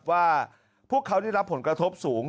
ว่าพวกเขาได้รับผลกระทบสูง